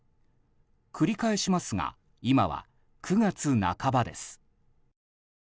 繰り返しますが今は９月半ばです。